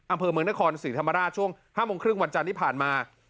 อำเภอเมืองนครศรีธรรมราชช่วง๕โมงครึ่งวันจันทร์ที่ผ่านมา